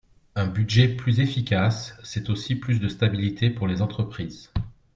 Un budget plus efficace, c’est aussi plus de stabilité pour les entreprises.